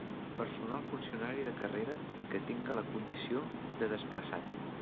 Personal funcionari de carrera que tinga la condició de desplaçat.